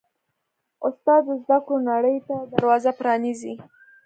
استاد د زده کړو نړۍ ته دروازه پرانیزي.